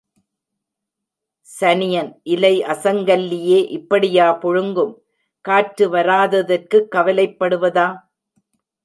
சனியன் இலை அசங்கல்லியே இப்படியா புழுங்கும்? காற்று வராததற்குக் கவலைப்படுவதா?